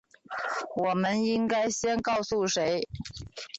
我们应该先告诉谁？